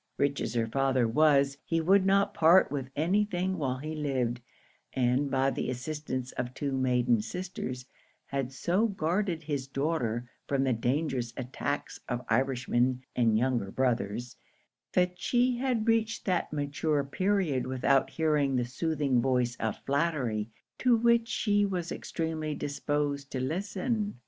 Rich as her father was, he would not part with any thing while he lived; and, by the assistance of two maiden sisters, had so guarded his daughter from the dangerous attacks of Irishmen and younger brothers, that she had reached that mature period without hearing the soothing voice of flattery, to which she was extremely disposed to listen.